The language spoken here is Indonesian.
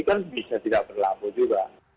itu kan bisa tidak berlaku juga